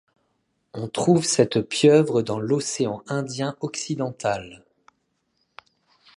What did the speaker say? On trouve cette pieuvre dans l'Océan Indien occidental.